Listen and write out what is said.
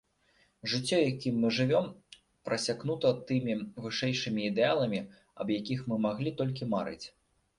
Жыццё, якім мы жывём, прасякнута тымі вышэйшымі ідэаламі, аб якіх мы маглі толькі марыць.